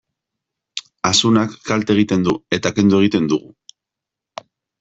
Asunak kalte egiten du, eta kendu egiten dugu.